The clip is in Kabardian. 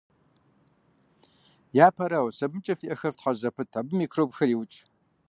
Япэрауэ, сабынкӀэ фи Ӏэхэр фтхьэщӀ зэпыт, абы микробхэр еукӀ.